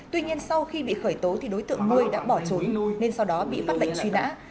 tuy nhiên sau khi bị khởi tố thì đối tượng mươi đã bỏ trốn nên sau đó bị phát lệnh truy nã